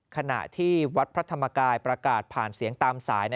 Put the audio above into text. ขณะที่วัดพระธรรมกายประกาศผ่านเสียงตามสาย